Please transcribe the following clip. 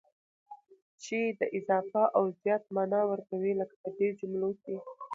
چي د اضافه او زيات مانا ور کوي، لکه په دې جملو کي: